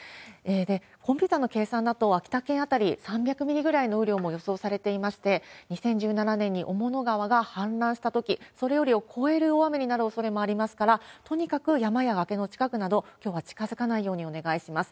で、コンピューターの計算だと、秋田県辺り、３００ミリぐらいの雨量も予想されていまして、２０１７年におもの川が氾濫したとき、それよりを超える大雨になるおそれもありますから、とにかく山や崖の近くなど、きょうは近づかないようにお願いします。